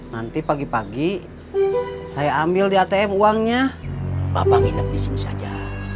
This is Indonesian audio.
nanti pagi pagi saya ambil di atm uangnya bapak nginep di sini saja